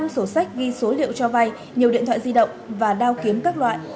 năm sổ sách ghi số liệu cho vay nhiều điện thoại di động và đao kiếm các loại